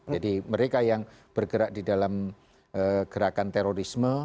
jadi mereka yang bergerak di dalam gerakan terorisme